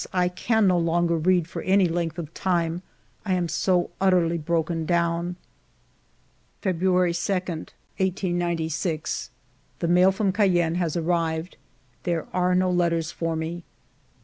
I can no longer read for any length of time, I am so utterly broken down. February 2, 1896. The mail from Cayenne has arrived. There are no letters for me.